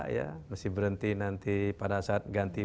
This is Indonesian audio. ya mesti berhenti nanti pada saat ganti